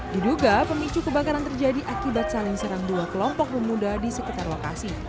diduga pemicu kebakaran terjadi akibat saling serang dua kelompok pemuda di sekitar lokasi